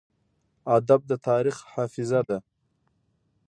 ادب د تاریخ حافظه ده.